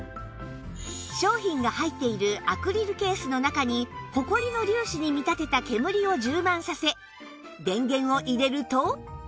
商品が入っているアクリルケースの中にホコリの粒子に見立てた煙を充満させ電源を入れると